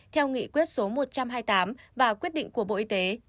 theo nghị quyết số một trăm hai mươi tám và quyết định của bộ y tế